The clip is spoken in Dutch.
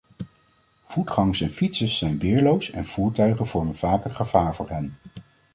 Voetgangers en fietsers zijn weerloos en voertuigen vormen vaak een gevaar voor hen.